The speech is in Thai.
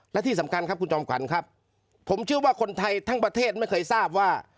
และที่สำคัญครับคุณจอมขวัญครับผมเชื่อว่าคนไทยทั้งประเทศไม่เคยทราบว่า